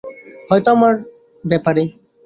হয়তো আমার ব্যাপারে।